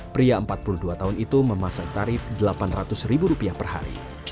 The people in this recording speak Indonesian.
pria empat puluh dua tahun itu memasang tarif delapan ratus ribu rupiah per hari